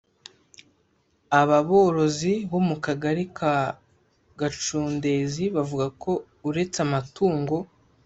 Aba borozi bo mu Kagari ka Gacundezi bavuga ko uretse amatungo